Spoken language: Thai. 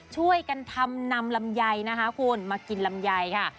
ช่วยกันทำนำลำไยมากินลำไยค่ะ